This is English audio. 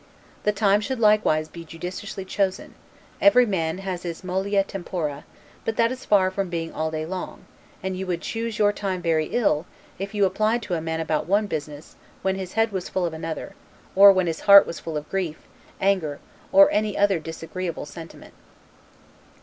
The time should likewise be judiciously chosen; every man has his 'mollia tempora', but that is far from being all day long; and you would choose your time very ill, if you applied to a man about one business, when his head was full of another, or when his heart was full of grief, anger, or any other disagreeable sentiment.